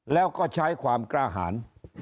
แล้วก็ใช้ความกล้าหาร